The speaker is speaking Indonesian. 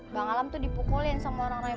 bang alam itu dipukulin sama orang raya